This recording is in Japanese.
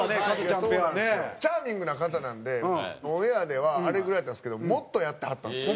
チャーミングな方なんでオンエアではあれぐらいやったんですけどもっとやってはったんですよ。